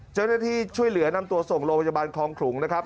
เจ้าหน้าที่ช่วยเหลือนำตัวส่งโรงพยาบาลคลองขลุงนะครับ